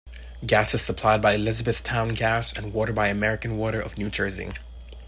Gas is supplied by Elizabethtown Gas and water by American Water of New Jersey.